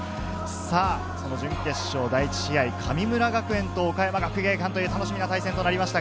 その準決勝、第１試合、神村学園と岡山学芸館という楽しみな対戦となりました。